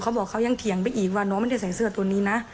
เขาบอกเขายังเถียงไปอีกว่าน้องไม่ได้ใส่เสื้อตัวนี้นะ